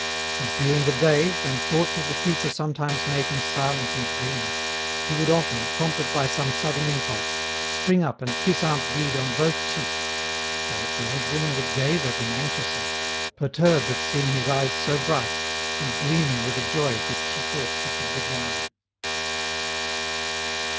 And during the day, when thoughts of the future sometimes made him silent and dreamy, he would often, prompted by some sudden impulse, spring up and kiss aunt Dide on both cheeks, whereat the old woman would gaze at him anxiously, perturbed at seeing his eyes so bright, and gleaming with a joy which she thought she could divine.